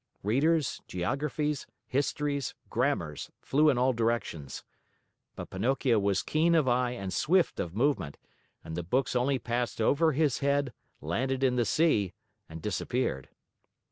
Readers, geographies, histories, grammars flew in all directions. But Pinocchio was keen of eye and swift of movement, and the books only passed over his head, landed in the sea, and disappeared.